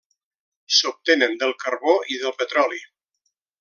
S'obtenen del carbó i del petroli.